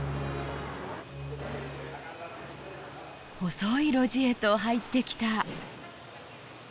細い路地へと入ってきた。